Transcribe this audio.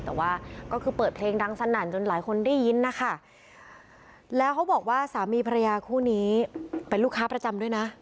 แต่ว่าก็คือเปิดเพลงดังสนั่นจนหลายคนได้ยินนะคะแล้วเขาบอกว่าสามีภรรยาคู่นี้เป็นลูกค้าประจำด้วยนะ